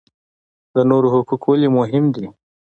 د نورو حقوق ولې مهم دي؟